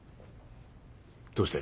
どうして？